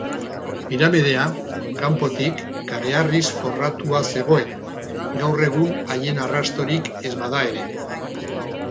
Piramidea, kanpotik, kareharriz forratua zegoen, gaur egun haien arrastorik ez bada ere.